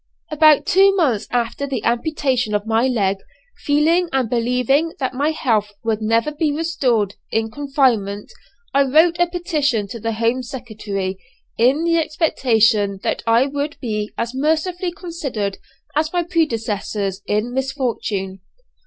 About two months after the amputation of my leg, feeling and believing that my health would never be restored in confinement I wrote a petition to the Home Secretary, in the expectation that I would be as mercifully considered as my predecessors in misfortune.